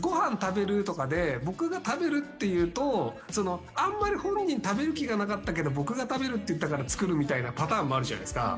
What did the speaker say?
僕が食べるっていうとあんまり本人食べる気がなかったけど僕が食べるって言ったから作るみたいなパターンもあるじゃないですか。